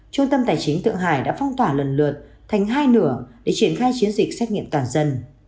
trung tâm tài chính tượng hải đã phong tỏa lần lượt thành hai nửa để triển khai chiến dịch xét nghiệm toàn dân